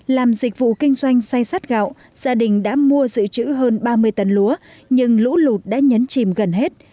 làm dịch vụ kinh doanh say sát gạo gia đình đã mua dự trữ hơn ba mươi tấn lúa nhưng lũ lụt đã nhấn chìm gần hết